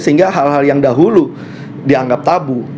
sehingga hal hal yang dahulu dianggap tabu